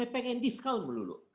pengen discount melulu